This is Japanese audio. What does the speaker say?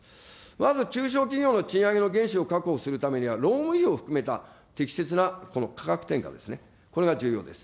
まず中小企業の賃上げの原資を確保するためには、労務費を含めた適切な価格転嫁ですね、これが重要です。